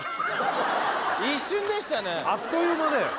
一瞬でしたねあっという間だよ